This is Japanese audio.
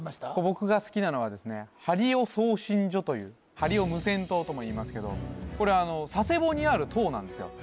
僕が好きなのはですね針尾送信所という針尾無線塔ともいいますけどこれ佐世保にある塔なんですよ